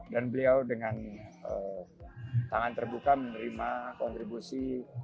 dan beliau dengan tangan terbuka menerima kontribusi